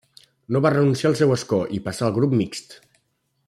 No va renunciar al seu escó i passà al grup mixt.